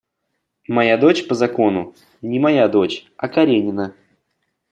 Моя дочь по закону — не моя дочь, а Каренина.